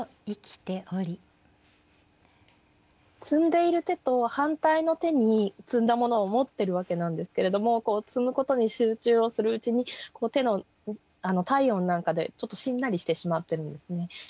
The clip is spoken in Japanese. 摘んでいる手と反対の手に摘んだものを持ってるわけなんですけれども摘むことに集中をするうちに手の体温なんかでちょっとしんなりしてしまってるんですね。